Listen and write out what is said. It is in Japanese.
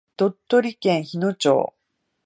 鳥取県日野町